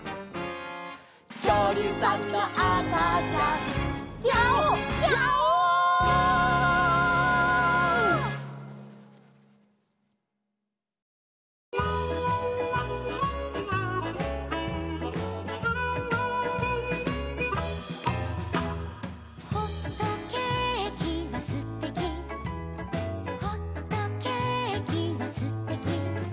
「きょうりゅうさんのあかちゃん」「ギャオギャオ」「ほっとけーきはすてき」「ほっとけーきはすてき」